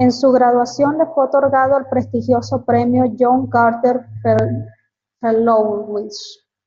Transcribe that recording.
En su graduación le fue otorgado el prestigioso premio John Gardner Fellowship.